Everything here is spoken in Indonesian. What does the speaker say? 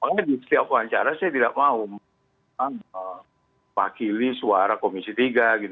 makanya di setiap wawancara saya tidak mau mewakili suara komisi tiga